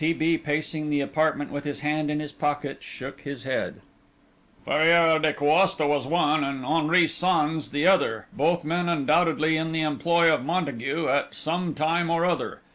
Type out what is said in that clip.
T. B., pacing the apartment with his hand in his pocket, shook his head. "Ferreira de Coasta was one, and Henri Sans the other. Both men undoubtedly in the employ of Montague, at some time or other.